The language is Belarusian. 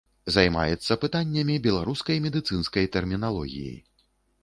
Займаецца пытаннямі беларускай медыцынскай тэрміналогіі.